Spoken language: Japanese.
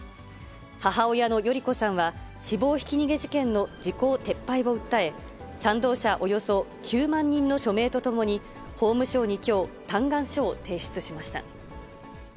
母親の代里子さんは、死亡ひき逃げ事件の時効撤廃を訴え、賛同者およそ９万人の署名とともに、法務省にきょう、嘆願書を提出しました。